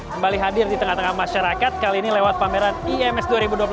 kembali hadir di tengah tengah masyarakat kali ini lewat pameran ims dua ribu dua puluh tiga